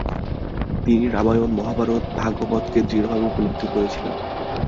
তিনি রামায়ণ, মহাভারত, ভাগবতকে দৃঢ়ভাবে উপলব্ধি করেছিলেন।